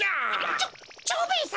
ちょ蝶兵衛さま。